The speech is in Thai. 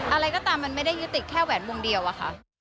อะไรก็ตามมันไม่ได้ยึดติดแค่แหวนมุมเดียวอะค่ะ